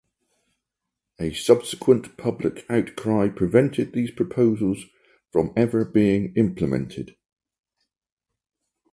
A subsequent public outcry prevented these proposals from ever being implemented.